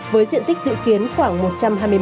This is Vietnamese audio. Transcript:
với diện tích dự kiến khoảng một trăm hai mươi m hai